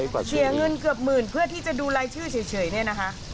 เสียเงินเกือบหมื่นเพื่อที่จะดูรายชื่อเฉยเนี่ยนะคะ